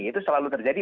itu selalu terjadi